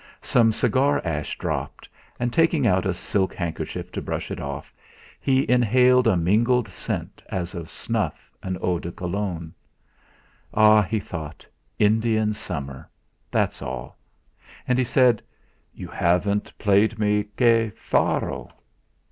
Some cigar ash dropped, and taking out a silk handkerchief to brush it off, he inhaled a mingled scent as of snuff and eau de Cologne. 'Ah!' he thought, 'Indian summer that's all!' and he said: "You haven't played me 'Che faro.'.